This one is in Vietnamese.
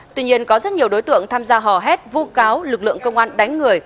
tuy nhiên có rất nhiều đối tượng tham gia hò hét vu cáo lực lượng công an đánh người